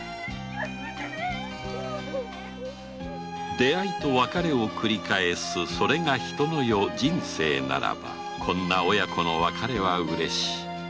出会いと別れを繰り返すそれが人の世人生ならばこんな親子の別れは嬉し。